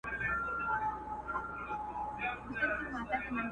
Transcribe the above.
o پر پوست سکه نه وهل کېږي٫